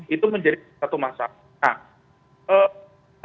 itu menjadi satu masalah